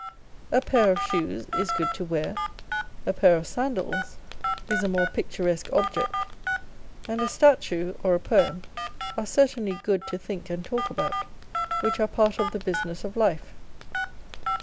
A pair of shoes is good to wear : a pair of sandals is a more picturesque object ; and a statue or a poem are certainly good to think and talk about, which are part of the business of life.